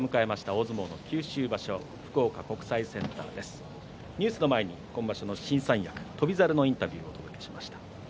大相撲の九州場所福岡国際センターニュースの前に今場所新三役翔猿のインタビューをお届けしました。